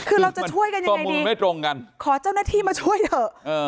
คือเราจะช่วยกันยังไงดีไม่ตรงกันขอเจ้าหน้าที่มาช่วยเถอะ